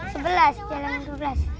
sebelas jalur dua belas